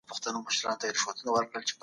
سم نیت هدف نه کموي.